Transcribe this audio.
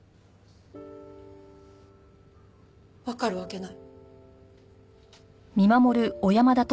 わかるわけない。